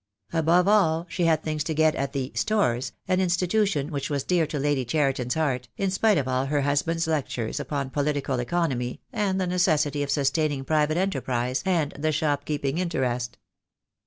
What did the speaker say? Above all, she had things to get at the "Stores," an institution which was dear to Lady Cheriton's heart, in spite of all her husband's lectures upon political economy and the necessity of sustaining private enterprise and the shopkeeping interest.